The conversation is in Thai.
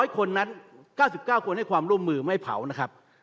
๐คนนั้น๙๙คนให้ความร่วมมือไม่เผานะครับ